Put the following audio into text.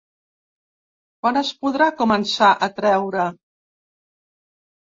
Quan es podrà començar a treure.